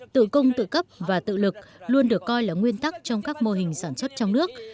tự cung tự cấp và tự lực luôn được coi là nguyên tắc trong các mô hình sản xuất trong nước